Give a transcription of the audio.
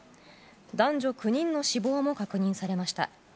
男女９人の死亡も確認されました。